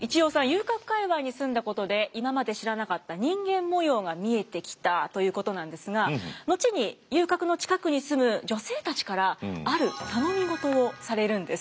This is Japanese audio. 遊郭界わいに住んだことで今まで知らなかった人間模様が見えてきたということなんですが後に遊郭の近くに住む女性たちからある頼み事をされるんです。